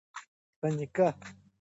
په نيکي او خیر باندي امر کول صدقه ده